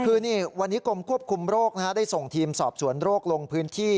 คือนี่วันนี้กรมควบคุมโรคได้ส่งทีมสอบสวนโรคลงพื้นที่